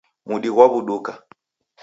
Mudi ghwaw'uduka.